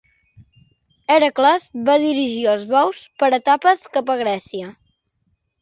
Hèracles va dirigir els bous per etapes cap a Grècia.